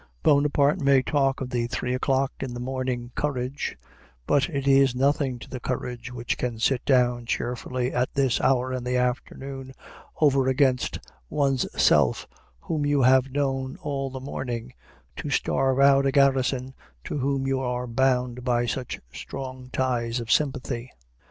Bonaparte may talk of the three o'clock in the morning courage, but it is nothing to the courage which can sit down cheerfully at this hour in the afternoon over against one's self whom you have known all the morning, to starve out a garrison to whom you are bound by such strong ties of sympathy.